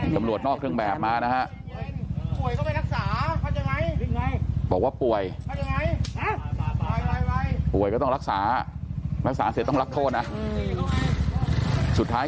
ตำรวจนอกเครื่องแบบมานะฮะบอกว่าป่วยป่วยก็ต้องรักษารักษาเสร็จต้องรับโทษนะสุดท้าย